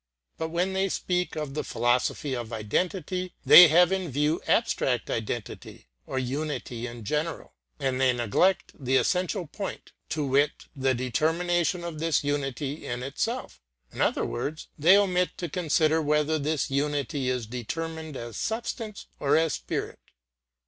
But when they speak of the philosophy of identity they have in view abstract identity or unity in general; and they neglect the essential point, to wit, the determination of this unity in itself; in other words, they omit to consider whether this unity is determined as substance or as spirit.